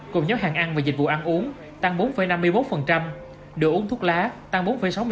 cùng nhóm hàng ăn và dịch vụ ăn uống tăng bốn năm mươi một đồ uống thuốc lá tăng bốn sáu mươi tám